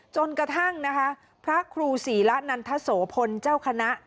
จนกระทั่งพระครูสีระนันทสโสพลเจ้าคณะ